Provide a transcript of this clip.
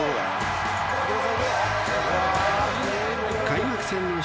［開幕戦の］